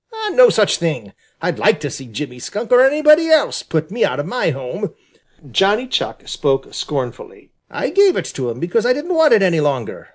"No such thing! I'd like to see Jimmy Skunk or anybody else put me out of my home!" Johnny Chuck spoke scornfully. "I gave it to him because I didn't want it any longer.